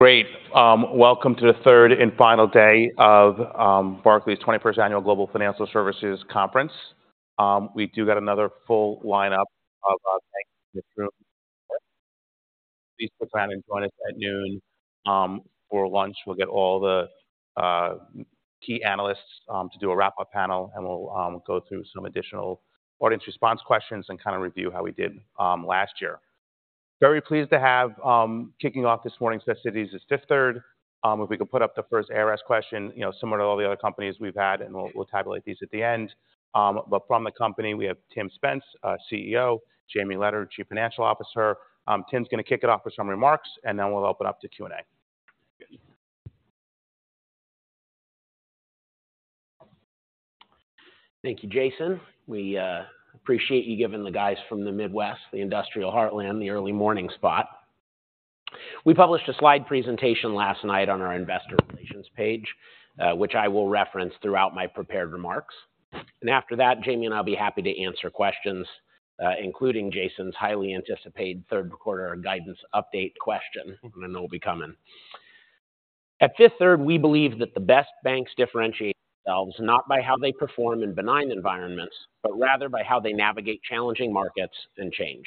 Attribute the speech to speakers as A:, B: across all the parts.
A: Great. Welcome to the third and final day of Barclays' 21st Annual Global Financial Services Conference. We do got another full lineup of banks in this room. Please plan and join us at noon for lunch. We'll get all the key analysts to do a wrap-up panel, and we'll go through some additional audience response questions and kind of review how we did last year. Very pleased to have kicking off this morning's session, Fifth Third. If we could put up the first ARS question, you know, similar to all the other companies we've had, and we'll tabulate these at the end. But from the company, we have Tim Spence, our CEO, Jamie Leonard, Chief Financial Officer. Tim's going to kick it off with some remarks, and then we'll open up to Q&A.
B: Thank you, Jason. We appreciate you giving the guys from the Midwest, the industrial heartland, the early morning spot. We published a slide presentation last night on our investor relations page, which I will reference throughout my prepared remarks. And after that, Jamie and I'll be happy to answer questions, including Jason's highly anticipated third quarter guidance update question. And I know it'll be coming. At Fifth Third, we believe that the best banks differentiate themselves not by how they perform in benign environments, but rather by how they navigate challenging markets and change.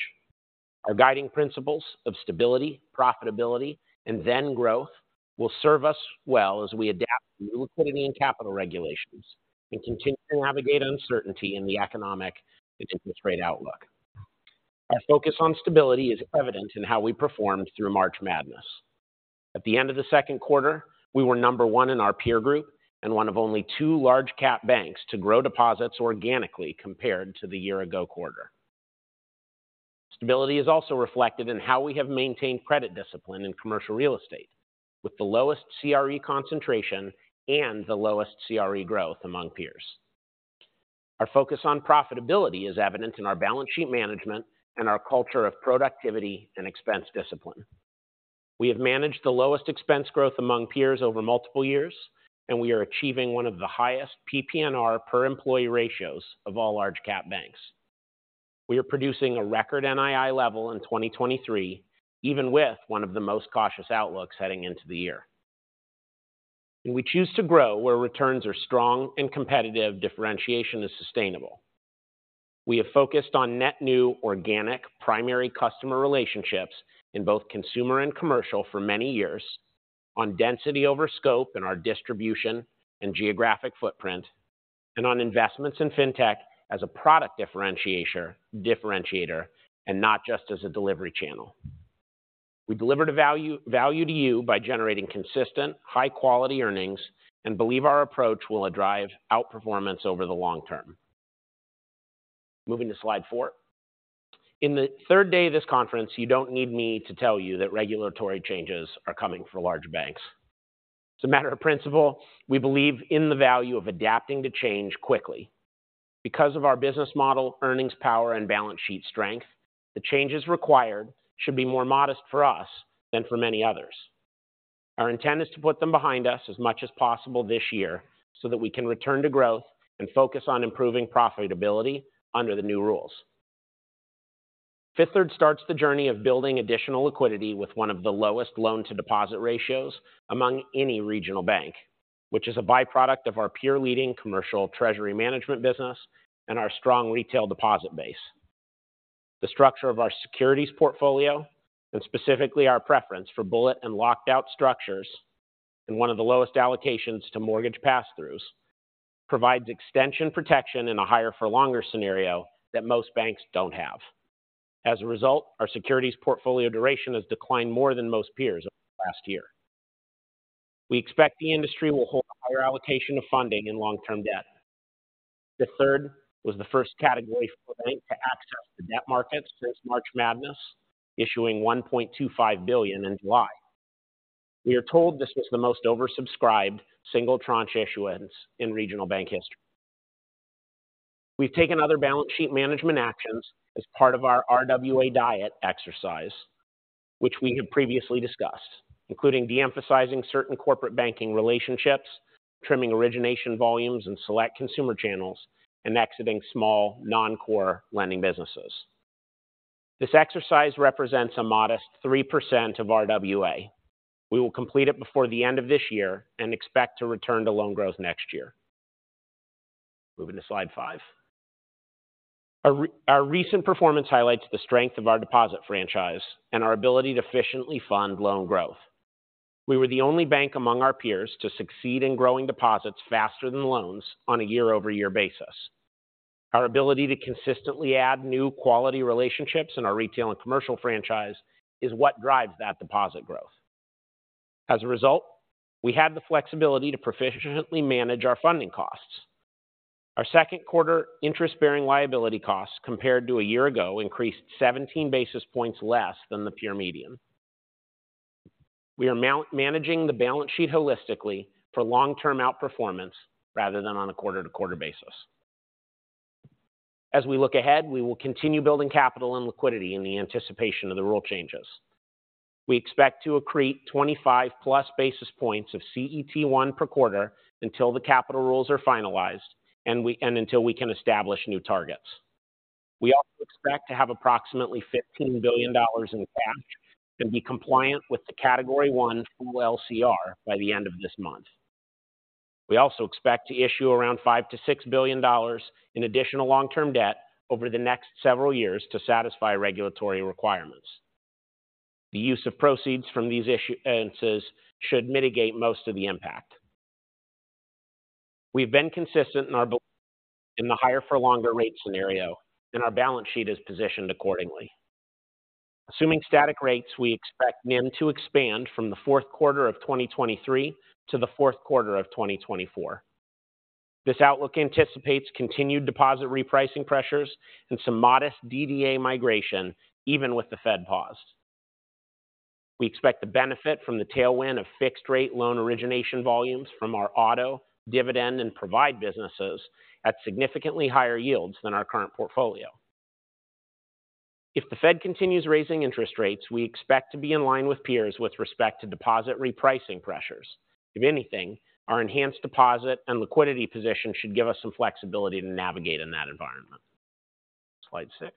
B: Our guiding principles of stability, profitability, and then growth will serve us well as we adapt to new liquidity and capital regulations and continue to navigate uncertainty in the economic interest rate outlook. Our focus on stability is evident in how we performed through March Madness. At the end of the second quarter, we were number one in our peer group and one of only two large cap banks to grow deposits organically compared to the year-ago quarter. Stability is also reflected in how we have maintained credit discipline in Commercial Real Estate, with the lowest CRE concentration and the lowest CRE growth among peers. Our focus on profitability is evident in our balance sheet management and our culture of productivity and expense discipline. We have managed the lowest expense growth among peers over multiple years, and we are achieving one of the highest PPNR per employee ratios of all large cap banks. We are producing a record NII level in 2023, even with one of the most cautious outlooks heading into the year. We choose to grow where returns are strong and competitive, differentiation is sustainable. We have focused on net new organic primary customer relationships in both Consumer and Commercial for many years, on density over scope in our distribution and geographic footprint, and on investments in Fintech as a product differentiator, and not just as a delivery channel. We delivered a value to you by generating consistent, high-quality earnings and believe our approach will drive outperformance over the long term. Moving to slide 4. In the third day of this conference, you don't need me to tell you that regulatory changes are coming for large banks. As a matter of principle, we believe in the value of adapting to change quickly. Because of our business model, earnings power, and balance sheet strength, the changes required should be more modest for us than for many others. Our intent is to put them behind us as much as possible this year so that we can return to growth and focus on improving profitability under the new rules. Fifth Third starts the journey of building additional liquidity with one of the lowest loan-to-deposit ratios among any regional bank, which is a byproduct of our peer-leading commercial treasury management business and our strong retail deposit base. The structure of our securities portfolio, and specifically our preference for bullet and locked out structures and one of the lowest allocations to mortgage pass-throughs, provides extension protection in a higher-for-longer scenario that most banks don't have. As a result, our securities portfolio duration has declined more than most peers over the last year. We expect the industry will hold a higher allocation of funding in long-term debt. Fifth Third was the first Category IV bank to access the debt markets since March Madness, issuing $1.25 billion in July. We are told this was the most oversubscribed single tranche issuance in regional bank history. We've taken other balance sheet management actions as part of our RWA diet exercise, which we have previously discussed, including de-emphasizing certain corporate banking relationships, trimming origination volumes in select consumer channels, and exiting small non-core lending businesses. This exercise represents a modest 3% of RWA. We will complete it before the end of this year and expect to return to loan growth next year. Moving to slide 5. Our recent performance highlights the strength of our deposit franchise and our ability to efficiently fund loan growth. We were the only bank among our peers to succeed in growing deposits faster than loans on a year-over-year basis. Our ability to consistently add new quality relationships in our retail and commercial franchise is what drives that deposit growth. As a result, we have the flexibility to proficiently manage our funding costs. Our second quarter interest-bearing liability costs, compared to a year ago, increased 17 basis points less than the peer median. We are managing the balance sheet holistically for long-term outperformance rather than on a quarter-to-quarter basis. As we look ahead, we will continue building capital and liquidity in the anticipation of the rule changes. We expect to accrete 25+ basis points of CET1 per quarter until the capital rules are finalized and until we can establish new targets. We also expect to have approximately $15 billion in cash and be compliant with the Category I full LCR by the end of this month. We also expect to issue around $5 billion-$6 billion in additional long-term debt over the next several years to satisfy regulatory requirements. The use of proceeds from these issuances should mitigate most of the impact. We've been consistent in our, in the higher-for-longer rate scenario, and our balance sheet is positioned accordingly. Assuming static rates, we expect NIM to expand from the fourth quarter of 2023 to the fourth quarter of 2024. This outlook anticipates continued deposit repricing pressures and some modest DDA migration, even with the Fed pause. We expect the benefit from the tailwind of fixed rate loan origination volumes from our Auto, Dividend, and Provide businesses at significantly higher yields than our current portfolio. If the Fed continues raising interest rates, we expect to be in line with peers with respect to deposit repricing pressures. If anything, our enhanced deposit and liquidity position should give us some flexibility to navigate in that environment. Slide 6.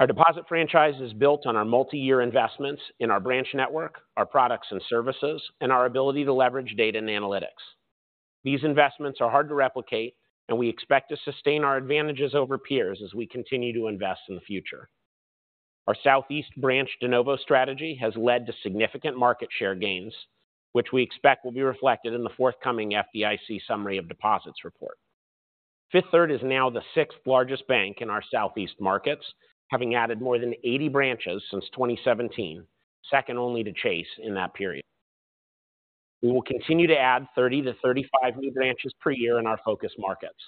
B: Our deposit franchise is built on our multi-year investments in our branch network, our products and services, and our ability to leverage data and analytics. These investments are hard to replicate, and we expect to sustain our advantages over peers as we continue to invest in the future. Our Southeast branch de novo strategy has led to significant market share gains, which we expect will be reflected in the forthcoming FDIC Summary of Deposits report. Fifth Third is now the sixth largest bank in our Southeast markets, having added more than 80 branches since 2017, second only to Chase in that period. We will continue to add 30-35 new branches per year in our focus markets.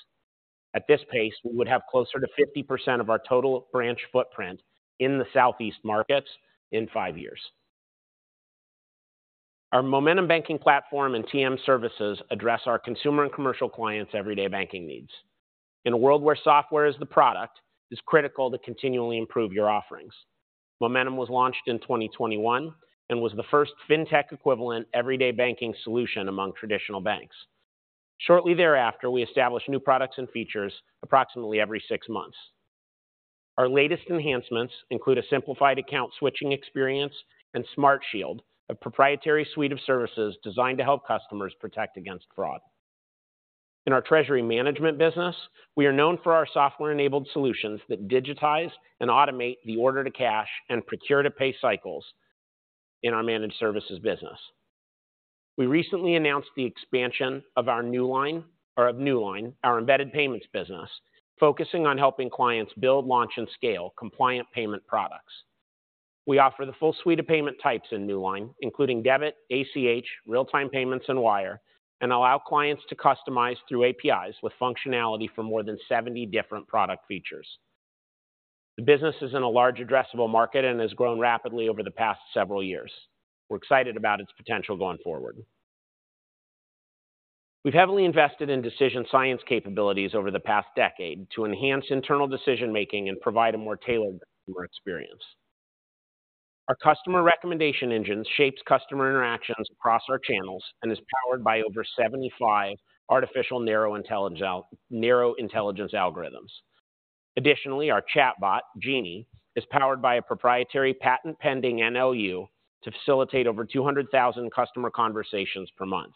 B: At this pace, we would have closer to 50% of our total branch footprint in the Southeast markets in 5 years. Our Momentum Banking platform and TM services address our Consumer and Commercial clients' everyday banking needs. In a world where software is the product, it's critical to continually improve your offerings. Momentum was launched in 2021 and was the first fintech-equivalent everyday banking solution among traditional banks. Shortly thereafter, we established new products and features approximately every six months. Our latest enhancements include a simplified account switching experience and SmartShield, a proprietary suite of services designed to help customers protect against fraud. In our treasury management business, we are known for our software-enabled solutions that digitize and automate the order-to-cash and procure-to-pay cycles in our managed services business. We recently announced the expansion of Newline, our embedded payments business, focusing on helping clients build, launch, and scale compliant payment products. We offer the full suite of payment types in Newline, including debit, ACH, real-time payments, and wire, and allow clients to customize through APIs with functionality for more than 70 different product features. The business is in a large addressable market and has grown rapidly over the past several years. We're excited about its potential going forward. We've heavily invested in decision science capabilities over the past decade to enhance internal decision-making and provide a more tailored customer experience. Our customer recommendation engine shapes customer interactions across our channels and is powered by over 75 artificial narrow intelligence algorithms. Additionally, our chatbot, Jeanie, is powered by a proprietary patent-pending NLU to facilitate over 200,000 customer conversations per month.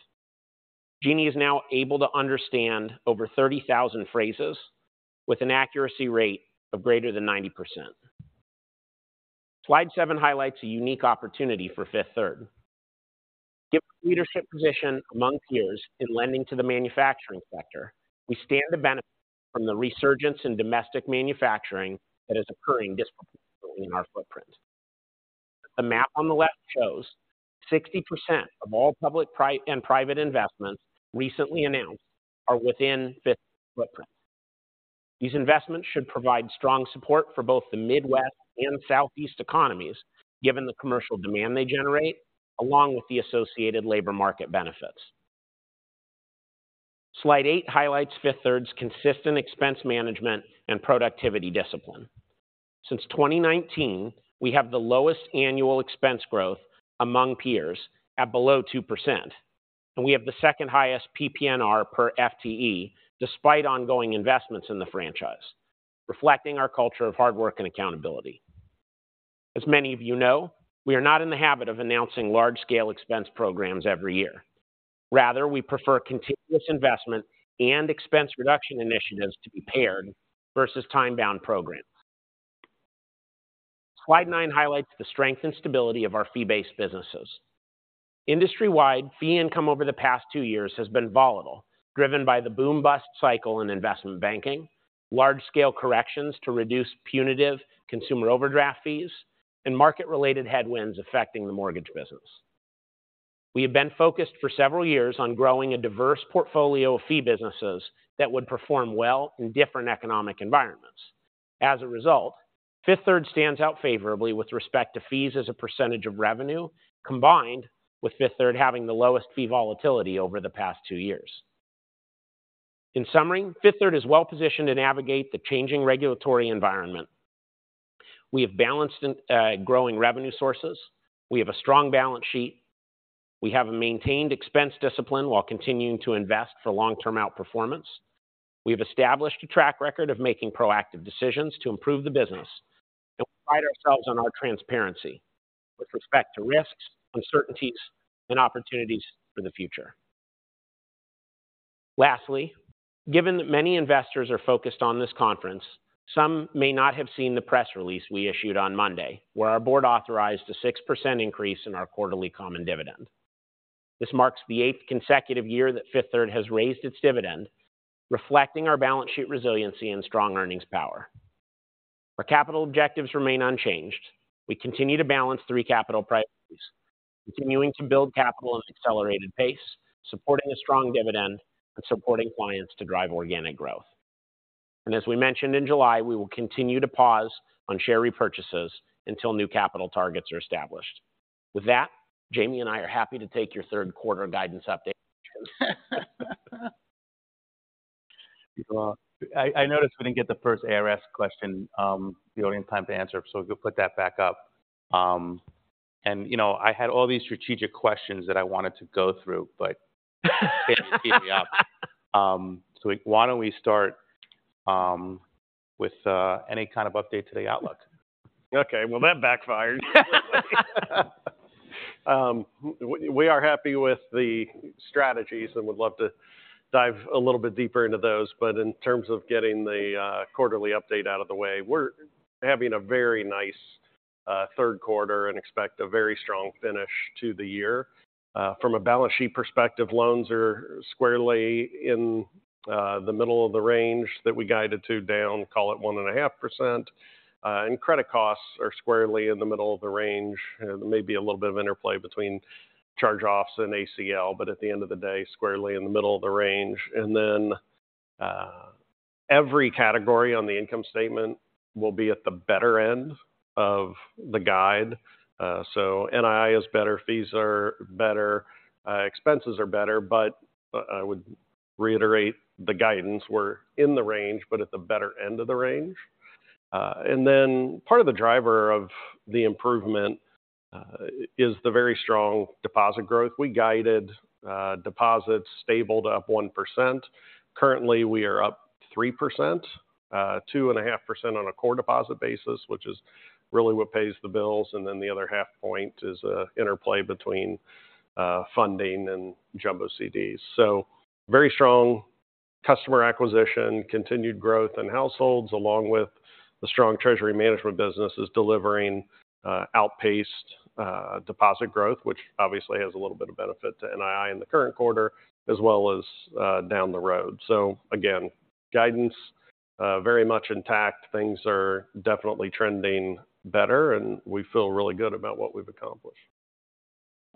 B: Jeanie is now able to understand over 30,000 phrases with an accuracy rate of greater than 90%. Slide 7 highlights a unique opportunity for Fifth Third. Given leadership position among peers in lending to the manufacturing sector, we stand to benefit from the resurgence in domestic manufacturing that is occurring disproportionately in our footprint. The map on the left shows 60% of all public and private investments recently announced are within Fifth Third footprint. These investments should provide strong support for both the Midwest and Southeast economies, given the commercial demand they generate, along with the associated labor market benefits. Slide 8 highlights Fifth Third's consistent expense management and productivity discipline. Since 2019, we have the lowest annual expense growth among peers at below 2%, and we have the second highest PPNR per FTE, despite ongoing investments in the franchise, reflecting our culture of hard work and accountability. As many of you know, we are not in the habit of announcing large-scale expense programs every year. Rather, we prefer continuous investment and expense reduction initiatives to be paired versus time-bound programs. Slide 9 highlights the strength and stability of our fee-based businesses. Industry-wide, fee income over the past 2 years has been volatile, driven by the boom-bust cycle in investment banking, large-scale corrections to reduce punitive consumer overdraft fees, and market-related headwinds affecting the mortgage business. We have been focused for several years on growing a diverse portfolio of fee businesses that would perform well in different economic environments. As a result, Fifth Third stands out favorably with respect to fees as a percentage of revenue, combined with Fifth Third having the lowest fee volatility over the past two years. In summary, Fifth Third is well positioned to navigate the changing regulatory environment. We have balanced, growing revenue sources. We have a strong balance sheet. We have a maintained expense discipline while continuing to invest for long-term outperformance. We have established a track record of making proactive decisions to improve the business, and we pride ourselves on our transparency with respect to risks, uncertainties, and opportunities for the future. Lastly, given that many investors are focused on this conference, some may not have seen the press release we issued on Monday, where our board authorized a 6% increase in our quarterly common dividend. This marks the eighth consecutive year that Fifth Third has raised its dividend, reflecting our balance sheet resiliency and strong earnings power. Our capital objectives remain unchanged. We continue to balance three capital priorities, continuing to build capital at an accelerated pace, supporting a strong dividend, and supporting clients to drive organic growth. And as we mentioned in July, we will continue to pause on share repurchases until new capital targets are established. With that, Jamie and I are happy to take your third quarter guidance update.
A: Well, I noticed we didn't get the first ARS question, you know, in time to answer. So if you'll put that back up. And, you know, I had all these strategic questions that I wanted to go through, but Jamie, you beat me up. So why don't we start with any kind of update to the outlook?
C: Okay, well, that backfired. We are happy with the strategies and would love to dive a little bit deeper into those, but in terms of getting the quarterly update out of the way, we're having a very nice third quarter and expect a very strong finish to the year. From a balance sheet perspective, loans are squarely in the middle of the range that we guided to down, call it 1.5%. And credit costs are squarely in the middle of the range. There may be a little bit of interplay between charge-offs and ACL, but at the end of the day, squarely in the middle of the range. And then, every category on the income statement will be at the better end of the guide. So NII is better, fees are better, expenses are better, but, but I would reiterate the guidance. We're in the range, but at the better end of the range. And then part of the driver of the improvement is the very strong deposit growth. We guided, deposits stable up 1%. Currently, we are up 3%, 2.5% on a core deposit basis, which is really what pays the bills, and then the other half point is an interplay between, funding and jumbo CDs. So very strong customer acquisition, continued growth in households, along with the strong treasury management business is delivering, outpaced deposit growth, which obviously has a little bit of benefit to NII in the current quarter, as well as, down the road. So again, guidance very much intact. Things are definitely trending better, and we feel really good about what we've accomplished.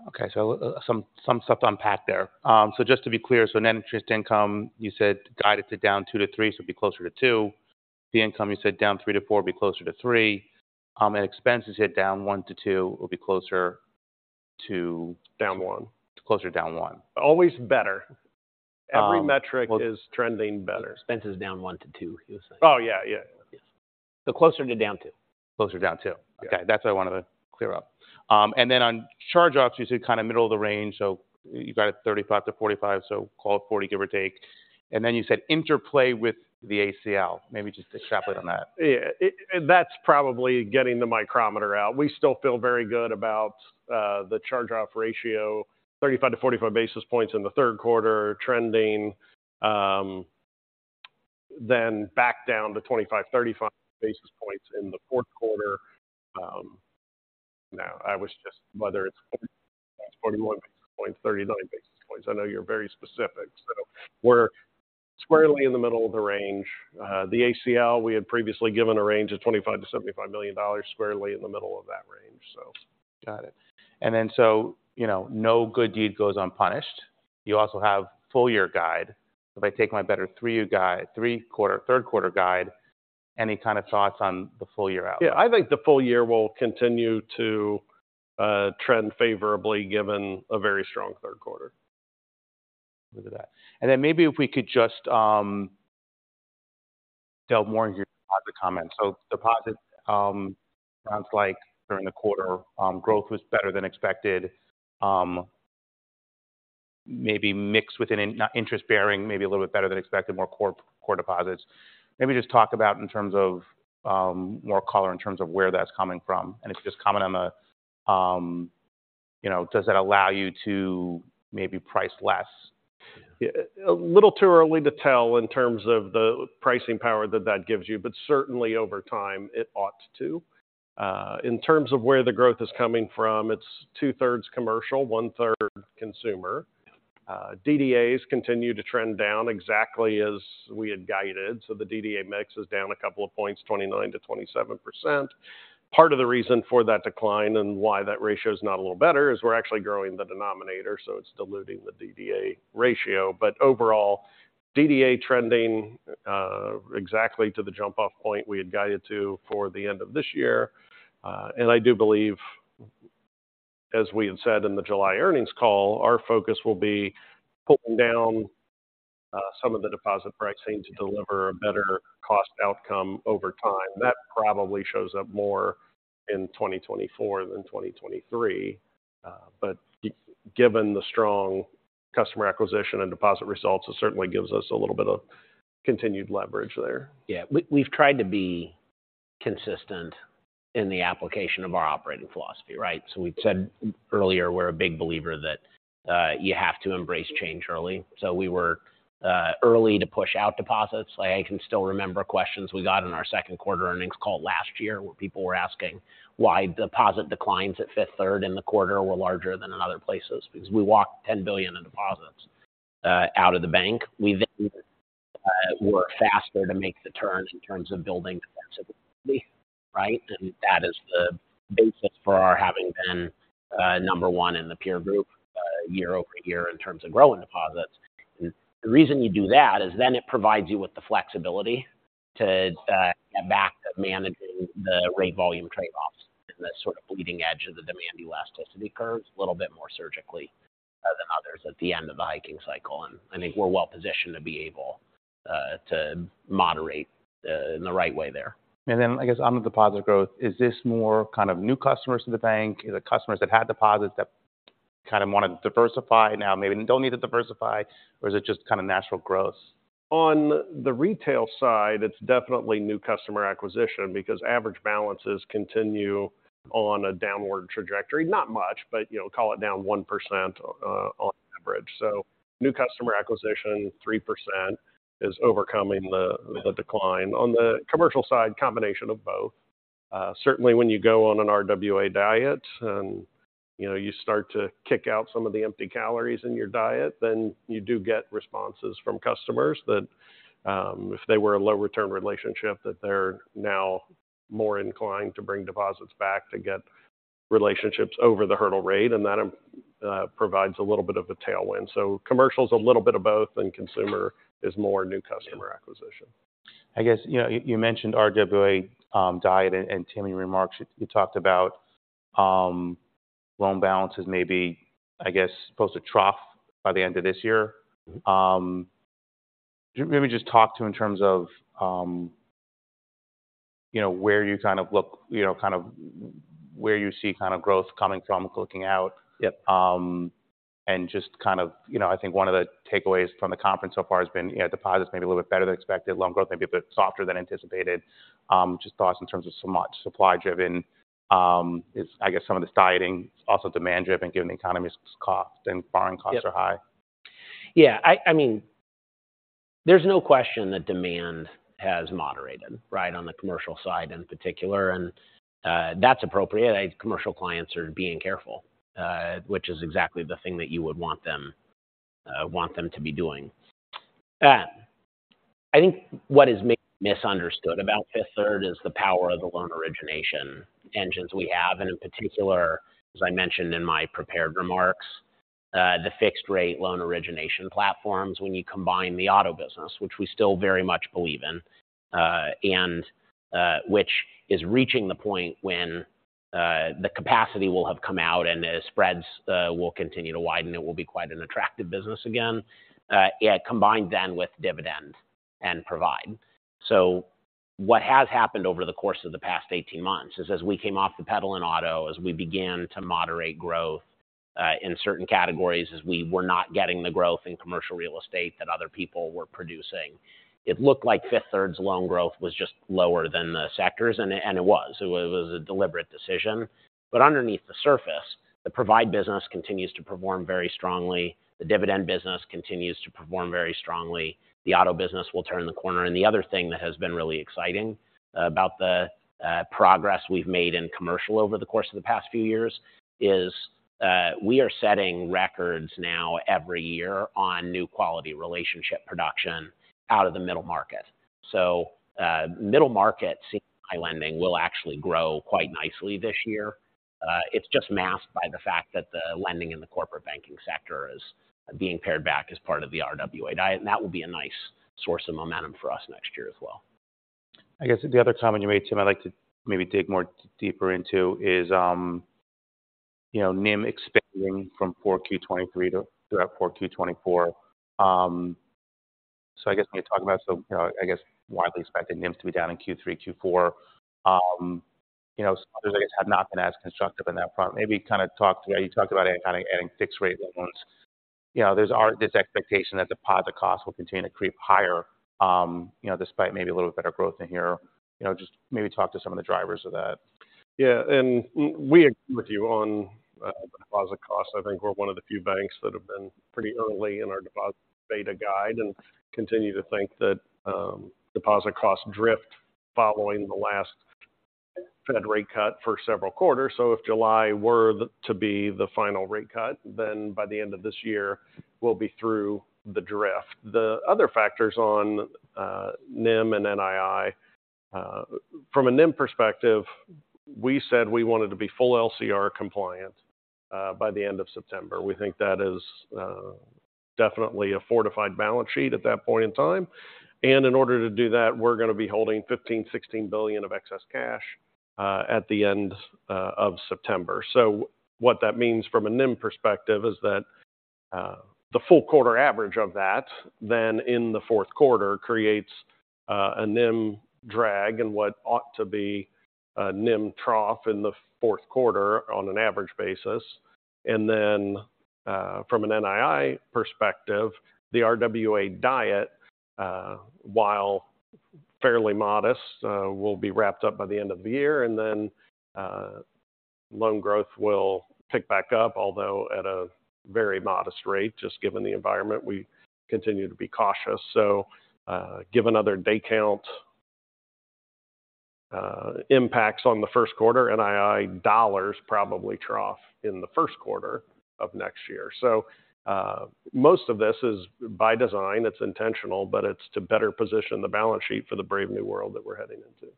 A: Okay, so some stuff to unpack there. So just to be clear, so net interest income, you said, guided to down 2-3, so it'd be closer to 2. The income, you said, down 3-4, it'd be closer to 3. And expenses, you said down 1-2, it'll be closer to-
C: Down one.
A: Closer to down 1.
C: Always better.
A: Um-
C: Every metric is trending better.
B: Expenses down 1-2, he was saying.
C: Oh, yeah, yeah.
B: Yes. So closer to down 2.
A: Closer to down 2.
C: Yeah.
A: Okay, that's what I wanted to clear up. And then on charge-offs, you said kind of middle of the range, so you got a 35-45, so call it 40, give or take. And then you said interplay with the ACL. Maybe just extrapolate on that.
C: Yeah, that's probably getting the micrometer out. We still feel very good about the charge-off ratio, 35-45 basis points in the third quarter, trending then back down to 25-35 basis points in the fourth quarter. Now, I was just whether it's 41 basis points, 39 basis points. I know you're very specific, so we're squarely in the middle of the range. The ACL, we had previously given a range of $25 million-$75 million, squarely in the middle of that range, so.
A: Got it. You know, no good deed goes unpunished. You also have full-year guide. If I take my better three-year guide, three-quarter, third quarter guide, any kind of thoughts on the full year out?
C: Yeah, I think the full year will continue to trend favorably, given a very strong third quarter.
A: Look at that. And then maybe if we could just tell more on your deposit comments. So deposits sounds like during the quarter growth was better than expected, maybe mixed with a non-interest bearing, maybe a little bit better than expected, more core core deposits. Maybe just talk about in terms of more color in terms of where that's coming from, and if you just comment on the, you know, does that allow you to maybe price less?
C: Yeah. A little too early to tell in terms of the pricing power that that gives you, but certainly, over time, it ought to. In terms of where the growth is coming from, it's 2/3 Commercial, 1/3 Consumer. DDAs continue to trend down exactly as we had guided, so the DDA mix is down a couple of points, 29%-27%. Part of the reason for that decline and why that ratio is not a little better is we're actually growing the denominator, so it's diluting the DDA ratio. But overall, DDA trending exactly to the jump-off point we had guided to for the end of this year. And I do believe, as we had said in the July earnings call, our focus will be pulling down some of the deposit pricing to deliver a better cost outcome over time. That probably shows up more in 2024 than 2023. But given the strong customer acquisition and deposit results, it certainly gives us a little bit of continued leverage there.
B: Yeah, we've tried to be consistent in the application of our operating philosophy, right? So we said earlier, we're a big believer that you have to embrace change early. So we were early to push out deposits. I can still remember questions we got in our second quarter earnings call last year, where people were asking why deposit declines at Fifth Third in the quarter were larger than in other places because we walked $10 billion in deposits out of the bank. We then worked faster to make the turn in terms of building defensively, right? And that is the basis for our having been number one in the peer group year-over-year in terms of growing deposits. The reason you do that is then it provides you with the flexibility to back managing the rate volume trade-offs and the sort of leading edge of the demand elasticity curves a little bit more surgically than others at the end of the hiking cycle. I think we're well positioned to be able to moderate in the right way there.
A: And then I guess on the deposit growth, is this more kind of new customers to the bank? Is it customers that had deposits that kind of want to diversify now maybe don't need to diversify, or is it just kind of natural growth?
C: On the Retail side, it's definitely new customer acquisition because average balances continue on a downward trajectory. Not much, but, you know, call it down 1%, on average. So new customer acquisition, 3%, is overcoming the decline. On the Commercial side, combination of both. Certainly when you go on an RWA diet and, you know, you start to kick out some of the empty calories in your diet, then you do get responses from customers that, if they were a lower-term relationship, that they're now more inclined to bring deposits back to get relationships over the hurdle rate, and that provides a little bit of a tailwind. So Commercial's a little bit of both, and Consumer is more new customer acquisition.
A: I guess, you know, you, you mentioned RWA diet and in Tim's remarks, you talked about loan balances maybe, I guess, supposed to trough by the end of this year. Maybe just talk to in terms of, you know, where you kind of look—you know, kind of where you see kind of growth coming from looking out.
B: Yep.
A: Just kind of, you know, I think one of the takeaways from the conference so far has been, you know, deposits may be a little bit better than expected, loan growth may be a bit softer than anticipated. Just thoughts in terms of so much supply-driven, is I guess some of this dieting also demand-driven, given the economy is soft and borrowing costs are high?
B: Yeah. I mean, there's no question that demand has moderated, right, on the Commercial side in particular, and that's appropriate. Commercial clients are being careful, which is exactly the thing that you would want them to be doing. I think what is misunderstood about Fifth Third is the power of the loan origination engines we have, and in particular, as I mentioned in my prepared remarks, the fixed rate loan origination platforms, when you combine the Auto business, which we still very much believe in, and which is reaching the point when the capacity will have come out and the spreads will continue to widen, it will be quite an attractive business again. Yeah, combined then with Dividend and Provide. So what has happened over the course of the past 18 months is as we came off the pedal in Auto, as we began to moderate growth in certain categories, as we were not getting the growth in Commercial Real Estate that other people were producing, it looked like Fifth Third's loan growth was just lower than the sectors, and it, and it was. It was a deliberate decision. But underneath the surface, the Provide business continues to perform very strongly. The Dividend business continues to perform very strongly. The Auto business will turn the corner. And the other thing that has been really exciting about the progress we've made in Commercial over the course of the past few years is we are setting records now every year on new quality relationship production out of the middle market. Middle market high lending will actually grow quite nicely this year. It's just masked by the fact that the lending in the corporate banking sector is being pared back as part of the RWA diet, and that will be a nice source of momentum for us next year as well.
A: I guess the other comment you made, Tim, I'd like to maybe dig more deeper into is, you know, NIM expanding from 4Q 2023 to throughout 4Q 2024. So I guess when you're talking about, so, you know, I guess widely expected NIM to be down in Q3, Q4, you know, others, I guess, have not been as constructive on that front. Maybe kind of, you talked about kind of adding fixed rate loans. You know, there's this expectation that deposit costs will continue to creep higher, you know, despite maybe a little bit better growth in here. You know, just maybe talk to some of the drivers of that.
C: Yeah, and we agree with you on, deposit costs. I think we're one of the few banks that have been pretty early in our deposit beta guide and continue to think that, deposit costs drift following the last Fed rate cut for several quarters. So if July were to be the final rate cut, then by the end of this year, we'll be through the drift. The other factors on, NIM and NII, from a NIM perspective, we said we wanted to be full LCR compliant, by the end of September. We think that is definitely a fortified balance sheet at that point in time. And in order to do that, we're going to be holding $15 billion-$16 billion of excess cash, at the end, of September. So what that means from a NIM perspective is that the full quarter average of that then in the fourth quarter creates a NIM drag and what ought to be a NIM trough in the fourth quarter on an average basis. And then, from an NII perspective, the RWA diet, while fairly modest, will be wrapped up by the end of the year, and then, loan growth will pick back up, although at a very modest rate, just given the environment, we continue to be cautious. So, given other day count, impacts on the first quarter, NII dollars probably trough in the first quarter of next year. So, most of this is by design, it's intentional, but it's to better position the balance sheet for the brave new world that we're heading into.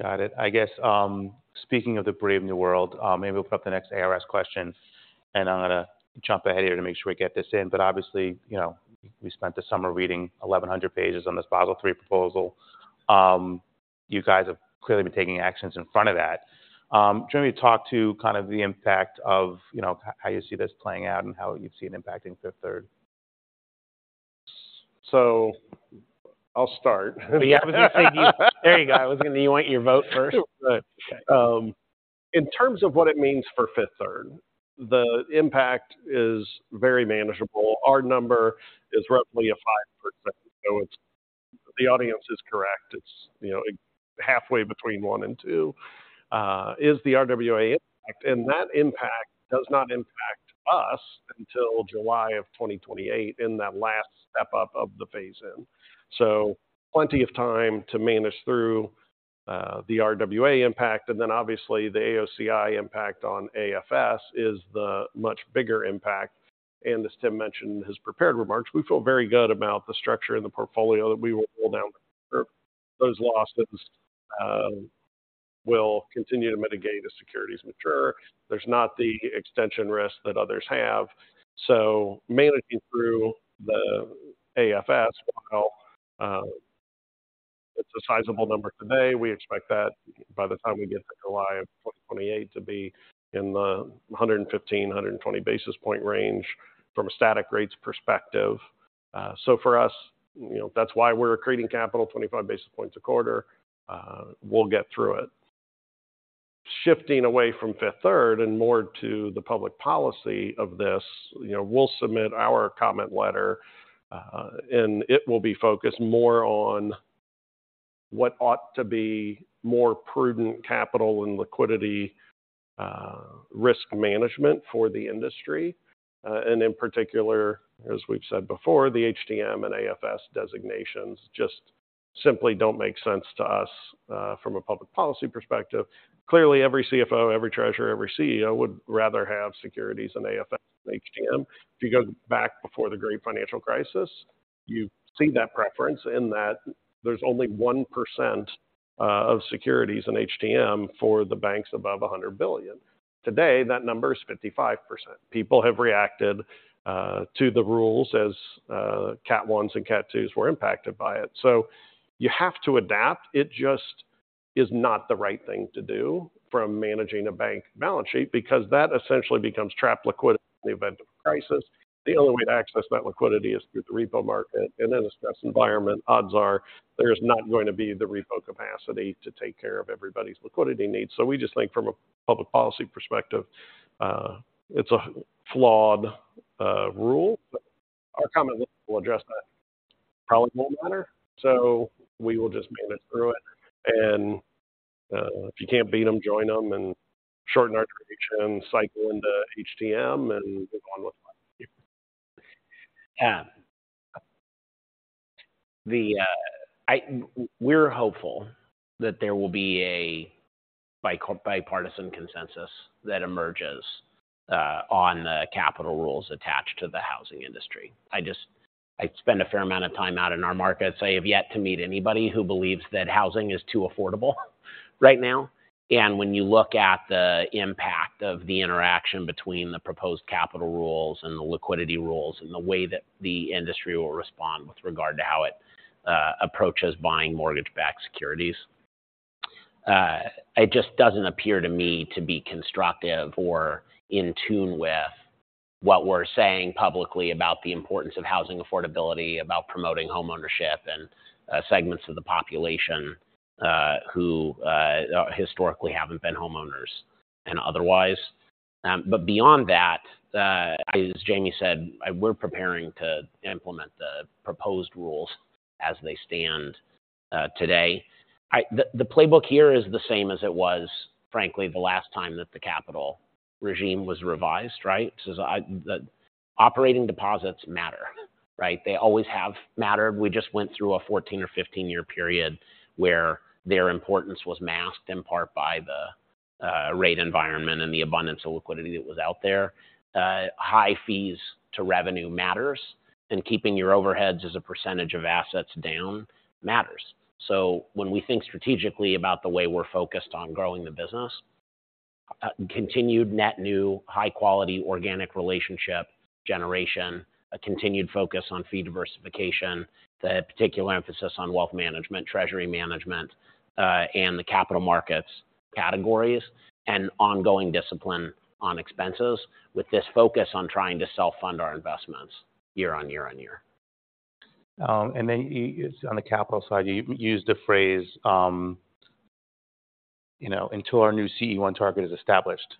A: Got it. I guess, speaking of the brave new world, maybe we'll put up the next ARS question, and I'm going to jump ahead here to make sure we get this in. But obviously, you know, we spent the summer reading 1,100 pages on this Basel III proposal. You guys have clearly been taking actions in front of that. Jamie, talk to kind of the impact of, you know, how you see this playing out and how you see it impacting Fifth Third.
C: I'll start.
A: Yeah, I was going to say-- There you go. I was going to-- you want your vote first?
C: Right.
A: Okay.
C: In terms of what it means for Fifth Third, the impact is very manageable. Our number is roughly a 5%, so it's, the audience is correct. It's, you know, halfway between one and two, is the RWA impact. And that impact does not impact us until July of 2028 in that last step up of the phase-in. So plenty of time to manage through, the RWA impact. And then obviously, the AOCI impact on AFS is the much bigger impact. And as Tim mentioned in his prepared remarks, we feel very good about the structure and the portfolio that we will roll down. Those losses will continue to mitigate as securities mature. There's not the extension risk that others have. So managing through the AFS, while it's a sizable number today, we expect that by the time we get to July of 2028 to be in the 115-120 basis point range from a static rates perspective. So for us, you know, that's why we're accreting capital 25 basis points a quarter. We'll get through it. Shifting away from Fifth Third and more to the public policy of this, you know, we'll submit our comment letter, and it will be focused more on what ought to be more prudent capital and liquidity risk management for the industry. And in particular, as we've said before, the HTM and AFS designations just simply don't make sense to us from a public policy perspective. Clearly, every CFO, every treasurer, every CEO would rather have securities in AFS than HTM. If you go back before the Great Financial Crisis, you see that preference in that there's only 1% of securities in HTM for the banks above $100 billion. Today, that number is 55%. People have reacted to the rules as Cat 1s and Cat 2s were impacted by it. So you have to adapt. It just is not the right thing to do from managing a bank balance sheet, because that essentially becomes trapped liquidity in the event of a crisis. The only way to access that liquidity is through the repo market, and in a stress environment, odds are there's not going to be the repo capacity to take care of everybody's liquidity needs. So we just think from a public policy perspective, it's a flawed rule. Our comment will address that. Probably won't matter, so we will just manage through it. And, if you can't beat them, join them and shorten our creation cycle into HTM and move on with life.
B: Yeah. The, we're hopeful that there will be a bipartisan consensus that emerges, on the capital rules attached to the housing industry. I just spend a fair amount of time out in our markets. I have yet to meet anybody who believes that housing is too affordable right now. And when you look at the impact of the interaction between the proposed capital rules and the liquidity rules, and the way that the industry will respond with regard to how it approaches buying mortgage-backed securities, it just doesn't appear to me to be constructive or in tune with what we're saying publicly about the importance of housing affordability, about promoting homeownership and segments of the population who historically haven't been homeowners and otherwise. But beyond that, as Jamie said, we're preparing to implement the proposed rules as they stand, today. The playbook here is the same as it was, frankly, the last time that the capital regime was revised, right? So the operating deposits matter, right? They always have mattered. We just went through a 14 or 15-year period where their importance was masked in part by the rate environment and the abundance of liquidity that was out there. High fees to revenue matters, and keeping your overheads as a percentage of assets down matters. So when we think strategically about the way we're focused on growing the business. Continued net new high-quality organic relationship generation, a continued focus on fee diversification, the particular emphasis on Wealth Management, Treasury Management, and the Capital Markets categories, and ongoing discipline on expenses, with this focus on trying to self-fund our investments year on year on year.
A: And then on the capital side, you used the phrase, you know, "until our new CET1 target is established."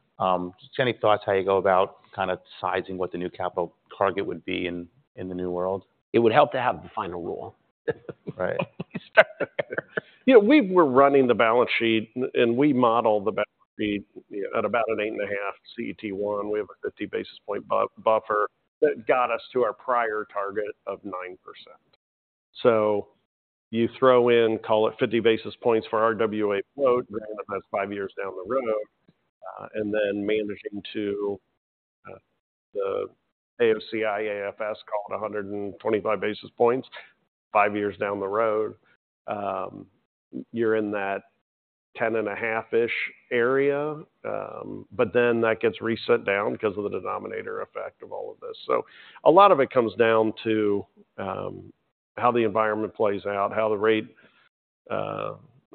A: Just any thoughts how you go about kind of sizing what the new capital target would be in the new world?
B: It would help to have the final rule.
A: Right.
B: Start there.
C: You know, we're running the balance sheet, and we model the balance sheet at about an 8.5 CET1. We have a 50 basis point buffer that got us to our prior target of 9%. So you throw in, call it 50 basis points for RWA flow, random, that's five years down the road, and then managing to the AOCI, AFS, call it 125 basis points, five years down the road. You're in that 10.5-ish area, but then that gets reset down because of the denominator effect of all of this. So a lot of it comes down to how the environment plays out, how the rate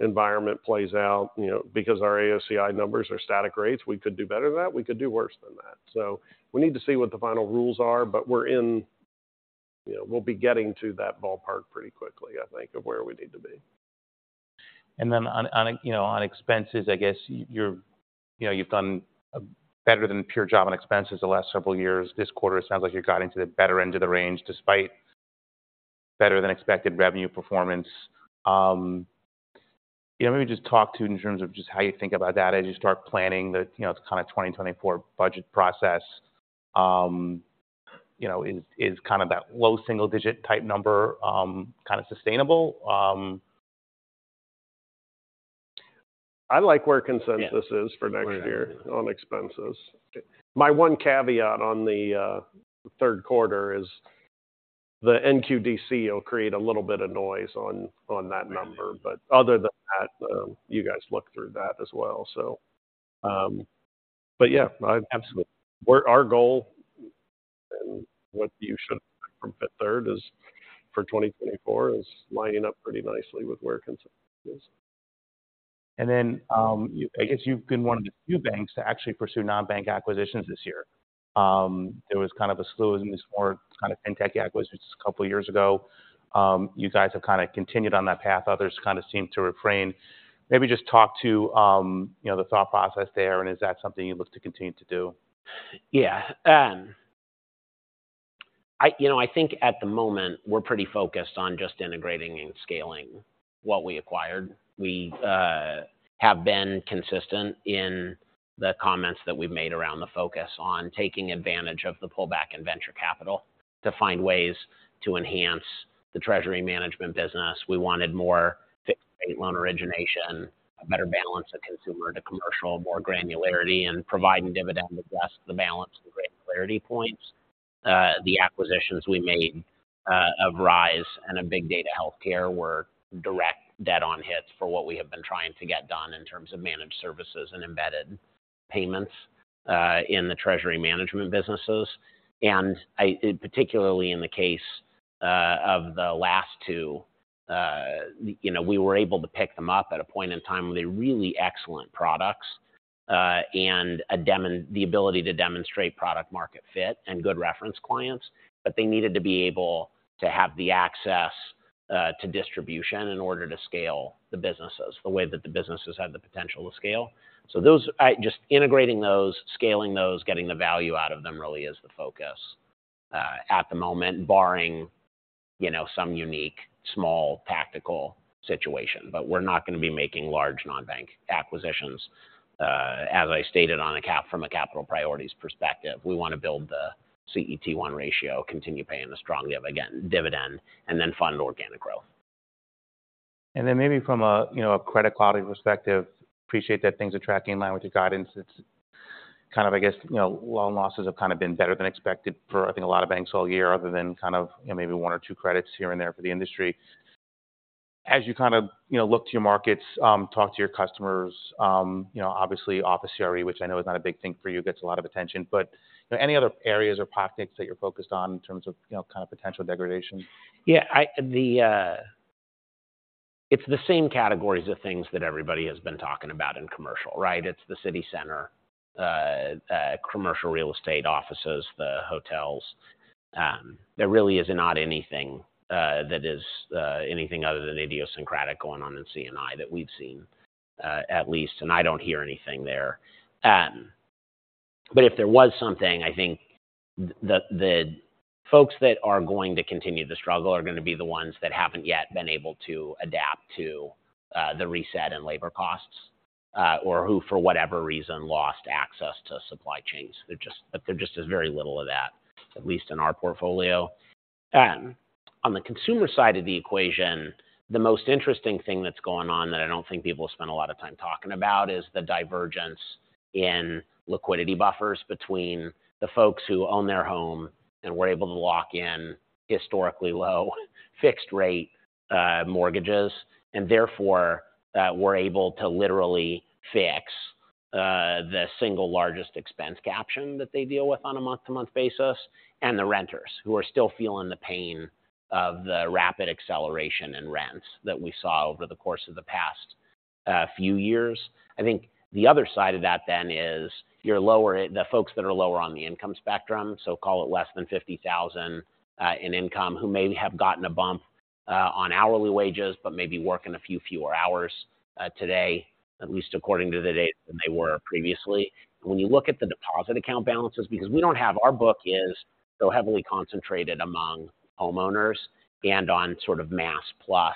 C: environment plays out. You know, because our AOCI numbers are static rates, we could do better than that, we could do worse than that. We need to see what the final rules are, but we're in, you know, we'll be getting to that ballpark pretty quickly, I think, of where we need to be.
A: And then on a, you know, on expenses, I guess you're, you know, you've done better than a good job on expenses the last several years. This quarter, it sounds like you got to the better end of the range, despite better than expected revenue performance. Yeah, maybe just talk about in terms of just how you think about that as you start planning the, you know, kind of 2024 budget process. You know, is kind of that low single digit type number kind of sustainable?
C: I like where consensus-
A: Yeah
C: - is for next year on expenses. My one caveat on the third quarter is the NQDC will create a little bit of noise on that number.
A: Right.
C: But other than that, you guys look through that as well. So, but yeah,
A: Absolutely.
C: Our goal, and what you should from Fifth Third is, for 2024, is lining up pretty nicely with where consensus is.
A: Then, I guess you've been one of the few banks to actually pursue non-bank acquisitions this year. There was kind of a slew in this more kind of fintech acquisitions a couple of years ago. You guys have kind of continued on that path. Others kind of seem to refrain. Maybe just talk to, you know, the thought process there, and is that something you look to continue to do?
B: Yeah, You know, I think at the moment, we're pretty focused on just integrating and scaling what we acquired. We have been consistent in the comments that we've made around the focus on taking advantage of the pullback in venture capital to find ways to enhance the Treasury Management business. We wanted more fixed rate loan origination, a better balance of Consumer to Commercial, more granularity, and Provide and Dividend address the balance and granularity points. The acquisitions we made of Rize and Big Data Healthcare were direct dead-on hits for what we have been trying to get done in terms of managed services and embedded payments in the Treasury Management businesses. And particularly in the case of the last two, you know, we were able to pick them up at a point in time with really excellent products and the ability to demonstrate product-market fit and good reference clients. But they needed to be able to have the access to distribution in order to scale the businesses the way that the businesses had the potential to scale. So those, just integrating those, scaling those, getting the value out of them really is the focus at the moment, barring, you know, some unique, small tactical situation. But we're not going to be making large non-bank acquisitions, as I stated from a capital priorities perspective. We want to build the CET1 ratio, continue paying a strong dividend, again, dividend, and then fund organic growth.
A: And then maybe from a, you know, a credit quality perspective, appreciate that things are tracking in line with your guidance. It's kind of, I guess, you know, loan losses have kind of been better than expected for, I think, a lot of banks all year, other than kind of maybe one or two credits here and there for the industry. As you kind of, you know, look to your markets, talk to your customers, you know, obviously, office CRE, which I know is not a big thing for you, gets a lot of attention. But, you know, any other areas or pockets that you're focused on in terms of, you know, kind of potential degradation?
B: Yeah, the, it's the same categories of things that everybody has been talking about in Commercial, right? It's the city center, Commercial Real Estate offices, the hotels. There really is not anything that is anything other than idiosyncratic going on in CNI that we've seen, at least, and I don't hear anything there. But if there was something, I think the, the folks that are going to continue to struggle are going to be the ones that haven't yet been able to adapt to the reset in labor costs, or who, for whatever reason, lost access to supply chains. There just, there just is very little of that, at least in our portfolio. On the Consumer side of the equation, the most interesting thing that's going on that I don't think people spend a lot of time talking about is the divergence in liquidity buffers between the folks who own their home and were able to lock in historically low fixed-rate mortgages, and therefore, were able to literally fix the single largest expense caption that they deal with on a month-to-month basis, and the renters who are still feeling the pain of the rapid acceleration in rents that we saw over the course of the past few years. I think the other side of that then is your lower, the folks that are lower on the income spectrum, so call it less than $50,000 in income, who may have gotten a bump on hourly wages, but may be working a few fewer hours today, at least according to the data than they were previously. When you look at the deposit account balances, because we don't have. Our book is so heavily concentrated among homeowners and on sort of mass plus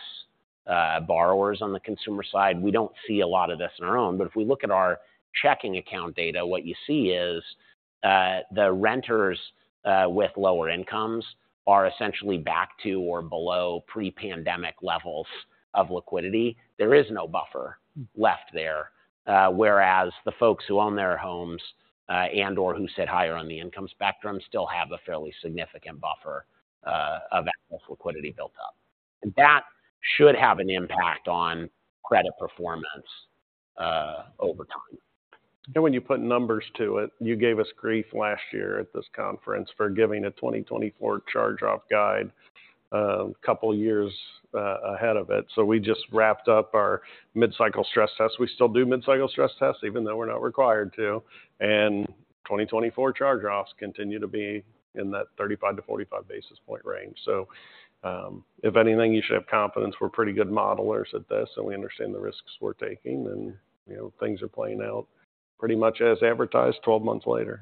B: borrowers on the Consumer side. We don't see a lot of this on our own, but if we look at our checking account data, what you see is the renters with lower incomes are essentially back to or below pre-pandemic levels of liquidity. There is no buffer left there, whereas the folks who own their homes, and/or who sit higher on the income spectrum still have a fairly significant buffer, of excess liquidity built up. That should have an impact on credit performance, over time.
C: When you put numbers to it, you gave us grief last year at this conference for giving a 2024 charge-off guide a couple of years ahead of it. We just wrapped up our mid-cycle stress test. We still do mid-cycle stress tests, even though we're not required to, and 2024 charge-offs continue to be in that 35-45 basis point range. If anything, you should have confidence we're pretty good modelers at this, and we understand the risks we're taking. You know, things are playing out pretty much as advertised 12 months later.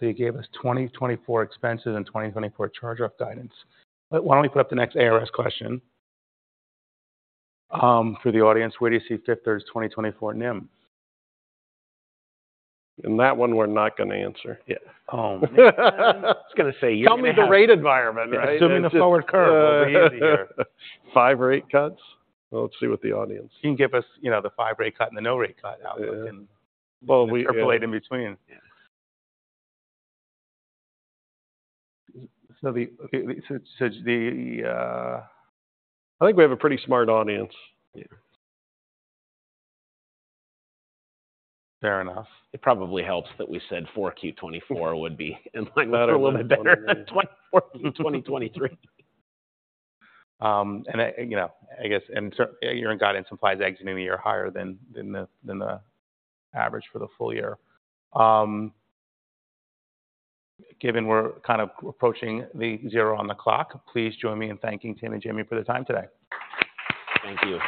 A: You gave us 2024 expenses and 2024 charge-off guidance. Why don't we put up the next ARS question? For the audience, where do you see Fifth Third's 2024 NIM?
C: That one we're not gonna answer.
B: Yeah.
A: Oh.
B: I was gonna say-
C: Tell me the rate environment, right?
B: Assuming a forward curve will be easy here.
C: Five rate cuts? Well, let's see what the audience-
A: You can give us, you know, the 5 rate cut and the no rate cut outlook, and we'll interpolate in between.
B: Yeah.
A: Okay, so the—
C: I think we have a pretty smart audience.
A: Yeah. Fair enough.
B: It probably helps that we said Q4 2024 would be in line or a little bit better than 2024, 2023.
A: You know, I guess, your guidance implies exiting the year higher than the average for the full year. Given we're kind of approaching the zero on the clock, please join me in thanking Tim and Jamie for their time today.
B: Thank you.